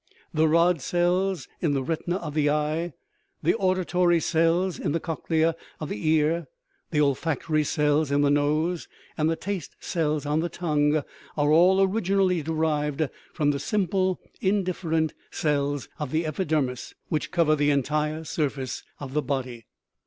The rod cells in the ret ina of the eye, the auditory cells in the cochlea of the ear, the olfactory cells in the nose, and the taste cells on the tongue, are all originally derived from the sim ple, indifferent cells of the epidermis, which cover the entire surface of the body.